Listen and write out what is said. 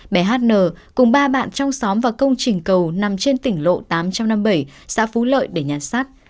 bé hát nờ cùng ba bạn trong xóm vào công trình cầu nằm trên tỉnh lộ tám trăm năm mươi bảy xã phú lợi để nhắn sắt